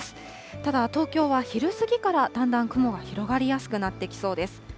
ただ東京は昼過ぎからだんだん雲が広がりやすくなってきそうです。